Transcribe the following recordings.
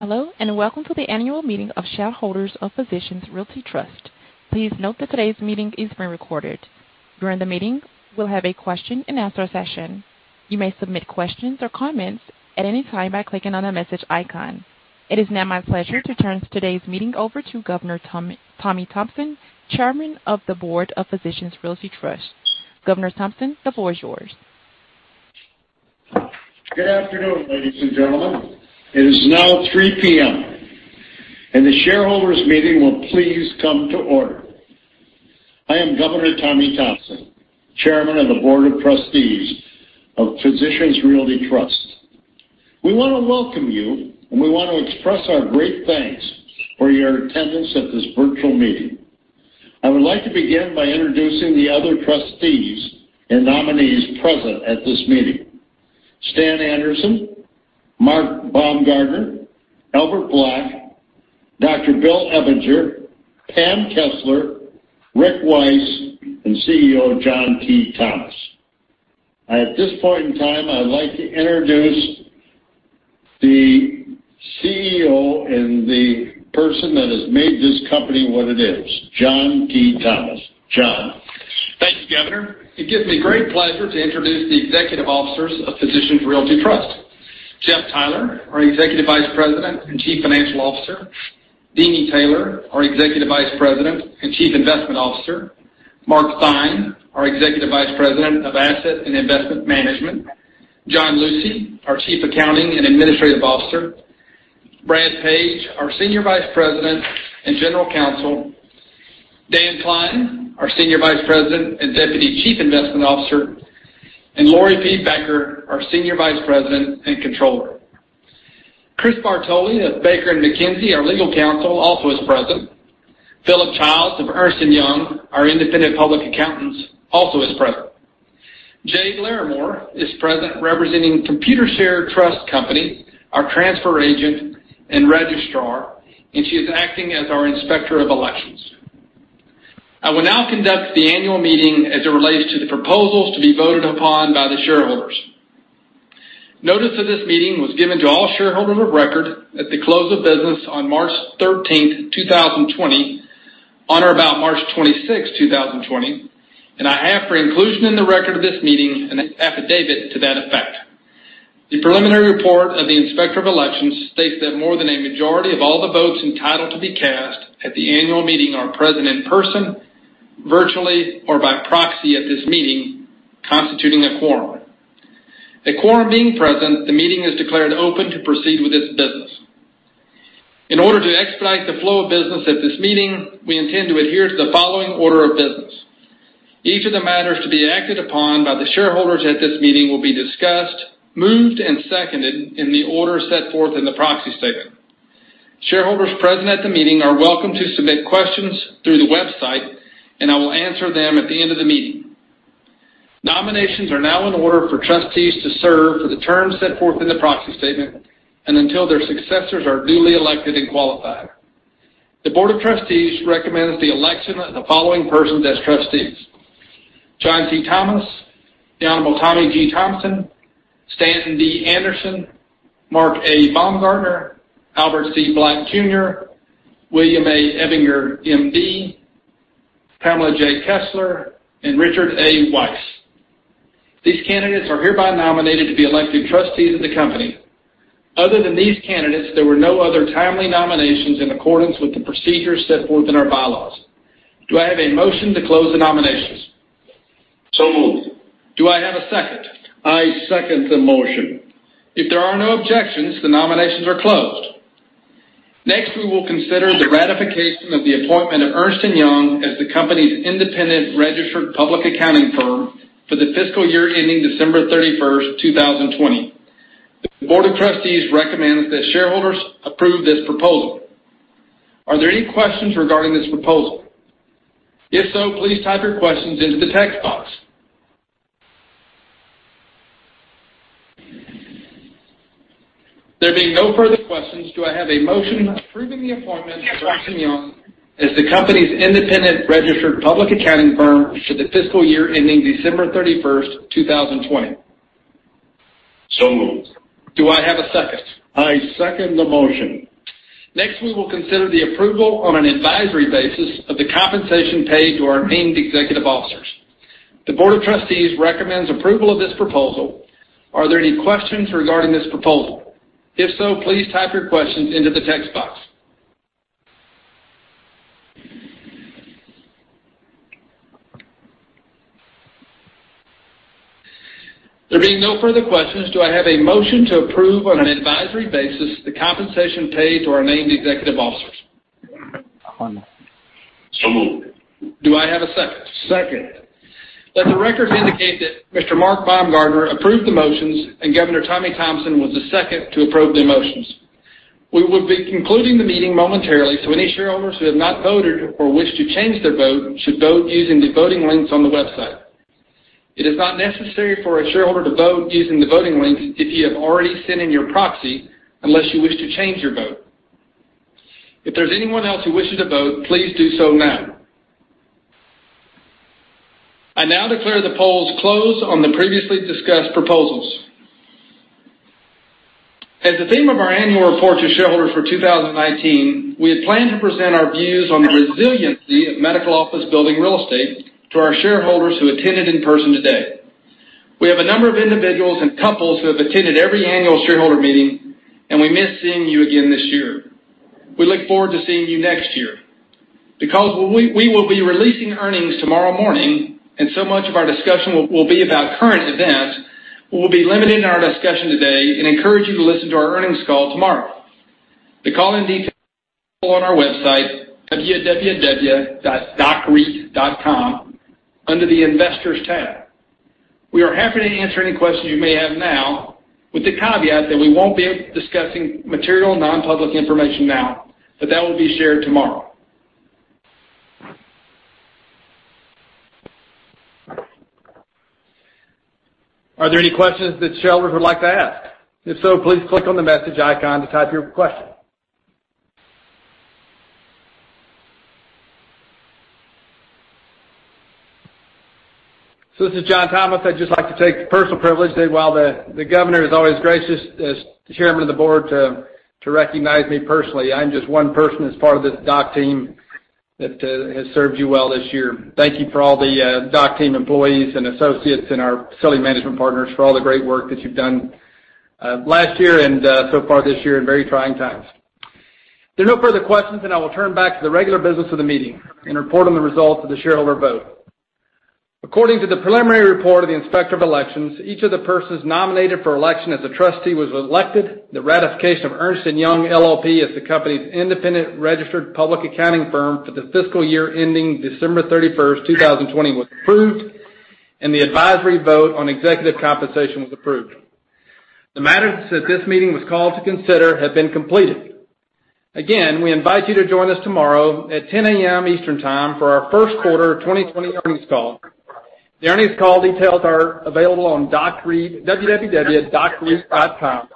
Hello, welcome to the annual meeting of shareholders of Physicians Realty Trust. Please note that today's meeting is being recorded. During the meeting, we'll have a question and answer session. You may submit questions or comments at any time by clicking on the message icon. It is now my pleasure to turn today's meeting over to Governor Tommy Thompson, Chairman of the Board of Physicians Realty Trust. Governor Thompson, the floor is yours. Good afternoon, ladies and gentlemen. It is now 3:00 P.M., and the shareholders meeting will please come to order. I am Governor Tommy Thompson, Chairman of the Board of Trustees of Physicians Realty Trust. We want to welcome you, and we want to express our great thanks for your attendance at this virtual meeting. I would like to begin by introducing the other trustees and nominees present at this meeting. Stan Anderson, Mark Baumgartner, Albert Black, Dr. Bill Ebinger, Pam Kessler, Rick Weiss, and CEO John T. Thomas. At this point in time, I'd like to introduce the CEO and the person that has made this company what it is, John T. Thomas. John. Thank you, Governor. It gives me great pleasure to introduce the Executive Officers of Physicians Realty Trust. Jeff Theiler, our Executive Vice President and Chief Financial Officer, Deeni Taylor, our Executive Vice President and Chief Investment Officer, Mark Theine, our Executive Vice President of Asset and Investment Management, John Lucey, our Chief Accounting and Administrative Officer, Brad Page, our Senior Vice President and General Counsel, Daniel Klein, our Senior Vice President and Deputy Chief Investment Officer, and Lori P. Becker, our Senior Vice President and Controller. Chris Bartoli of Baker McKenzie, our Legal Counsel, also is present. Philip Childs of Ernst & Young, our Independent Public Accountants, also is present. Jade Larimore is present representing Computershare Trust Company, our Transfer Agent and Registrar, and she is acting as our Inspector of Elections. I will now conduct the annual meeting as it relates to the proposals to be voted upon by the shareholders. Notice of this meeting was given to all shareholders of record at the close of business on March 13th, 2020, on or about March 26th, 2020, and I have for inclusion in the record of this meeting an affidavit to that effect. The preliminary report of the Inspector of Elections states that more than a majority of all the votes entitled to be cast at the annual meeting are present in person, virtually, or by proxy at this meeting, constituting a quorum. A quorum being present, the meeting is declared open to proceed with its business. In order to expedite the flow of business at this meeting, we intend to adhere to the following order of business. Each of the matters to be acted upon by the shareholders at this meeting will be discussed, moved, and seconded in the order set forth in the proxy statement. Shareholders present at the meeting are welcome to submit questions through the website, I will answer them at the end of the meeting. Nominations are now in order for trustees to serve for the terms set forth in the proxy statement and until their successors are duly elected and qualified. The Board of Trustees recommends the election of the following persons as trustees. John T. Thomas, the Honorable Tommy G. Thompson, Stanton D. Anderson, Mark A. Baumgartner, Albert C. Black, Jr., William A. Ebinger MD, Pamela J. Kessler, and Richard A. Weiss. These candidates are hereby nominated to be elected trustees of the company. Other than these candidates, there were no other timely nominations in accordance with the procedures set forth in our bylaws. Do I have a motion to close the nominations? Moved. Do I have a second? I second the motion. If there are no objections, the nominations are closed. Next, we will consider the ratification of the appointment of Ernst & Young as the company's independent registered public accounting firm for the fiscal year ending December 31st, 2020. The Board of Trustees recommends that shareholders approve this proposal. Are there any questions regarding this proposal? If so, please type your questions into the text box. There being no further questions, do I have a motion approving the appointment of Ernst & Young as the company's independent registered public accounting firm for the fiscal year ending December 31st, 2020? Moved. Do I have a second? I second the motion. Next, we will consider the approval on an advisory basis of the compensation paid to our named executive officers. The Board of Trustees recommends approval of this proposal. Are there any questions regarding this proposal? If so, please type your questions into the text box. There being no further questions, do I have a motion to approve on an advisory basis the compensation paid to our named executive officers? Moved. Do I have a second? Second. Let the records indicate that Mr. Mark Baumgartner approved the motions, and Governor Tommy Thompson was the second to approve the motions. We will be concluding the meeting momentarily, so any shareholders who have not voted or wish to change their vote should vote using the voting links on the website. It is not necessary for a shareholder to vote using the voting link if you have already sent in your proxy, unless you wish to change your vote. If there's anyone else who wishes to vote, please do so now. I now declare the polls closed on the previously discussed proposals. As the theme of our annual report to shareholders for 2019, we had planned to present our views on the resiliency of medical office building real estate to our shareholders who attended in person today. We have a number of individuals and couples who have attended every annual shareholder meeting, and we miss seeing you again this year. We look forward to seeing you next year. Because we will be releasing earnings tomorrow morning and so much of our discussion will be about current events, we will be limited in our discussion today and encourage you to listen to our earnings call tomorrow. The call-in details are on our website, www.docreit.com, under the Investors tab. We are happy to answer any questions you may have now, with the caveat that we won't be able to discuss material non-public information now, but that will be shared tomorrow. Are there any questions that shareholders would like to ask? If so, please click on the message icon to type your question. This is John Thomas. I'd just like to take personal privilege. While the Governor is always gracious as the chairman of the board to recognize me personally, I'm just one person as part of this DOC team that has served you well this year. Thank you for all the DOC team employees and associates and our facility management partners for all the great work that you've done last year and so far this year in very trying times. If there are no further questions, I will turn back to the regular business of the meeting and report on the results of the shareholder vote. According to the preliminary report of the Inspector of Elections, each of the persons nominated for election as a trustee was elected, the ratification of Ernst & Young LLP as the company's independent registered public accounting firm for the fiscal year ending December 31st, 2020, was approved, and the advisory vote on executive compensation was approved. The matters that this meeting was called to consider have been completed. We invite you to join us tomorrow at 10:00 A.M. Eastern Time for our first quarter 2020 earnings call. The earnings call details are available on www.docreit.com.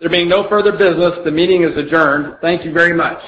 There being no further business, the meeting is adjourned. Thank you very much.